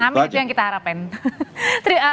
namanya itu yang kita harapkan